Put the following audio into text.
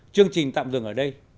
chương trình tạm dừng ở đây